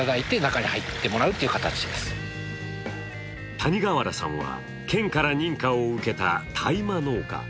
谷川原さんは、県から認可を受けた大麻農家。